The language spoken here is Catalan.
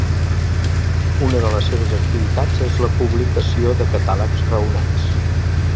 Una de les seves activitats és la publicació de catàlegs raonats.